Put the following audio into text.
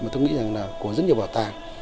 mà tôi nghĩ là của rất nhiều bảo tàng